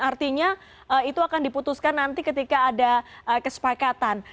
artinya itu akan diputuskan nanti ketika ada kesepakatan